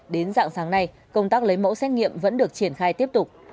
đến dạng sáng nay công tác lấy mẫu xét nghiệm vẫn được triển khai tiếp tục